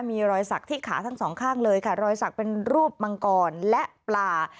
มีรอยสักที่ขาทั้งสองข้างเลยค่ะรอยสักเป็นรูปมังกรและปลา